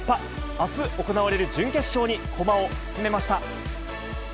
あす行われる準決勝に駒を進めました。